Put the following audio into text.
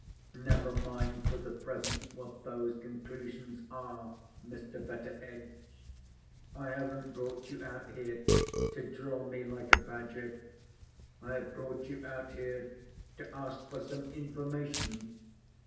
Never mind for the present what those conclusions are, Mr. Betteredge. I haven't brought you out here to draw me like a badger; I have brought you out here to ask for some information.